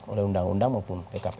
oleh undang undang maupun pkpu